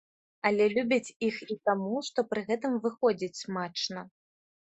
Але любяць іх і таму, што пры гэтым выходзіць смачна.